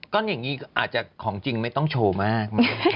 ก็อย่างนี้อาจจะของจริงไม่ต้องโชว์มาก